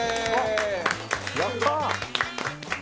やった！